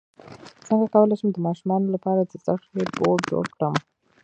څنګه کولی شم د ماشومانو لپاره د زده کړې بورډ جوړ کړم